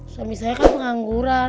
suami saya kan pengangguran